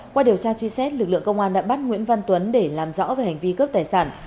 qua điều tra truy xét lực lượng công an đã bắt nguyễn văn tuấn để làm rõ về hành vi cướp tài sản